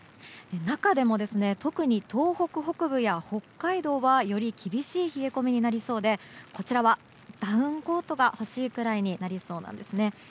中でも、特に東北北部や北海道はより厳しい冷え込みになりそうでこちらはダウンコートが欲しいくらいになりそうなんです。